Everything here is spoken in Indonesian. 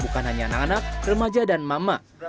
bukan hanya anak anak remaja dan mama